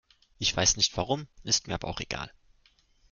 Ich weiß nicht warum, ist mir aber auch egal.